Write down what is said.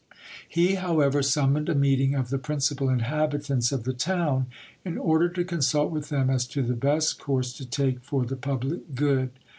He, however, summoned a meeting of the principal inhabitants of the town, in order to consult with them as to the best course to take for the public good.